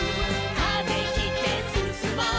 「風切ってすすもう」